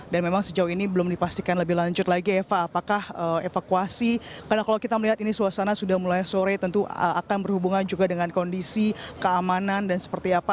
dan memang sejauh ini belum dipastikan lebih lanjut lagi eva apakah evakuasi karena kalau kita melihat ini suasana sudah mulai sore tentu akan berhubungan juga dengan kondisi keamanan dan seperti apa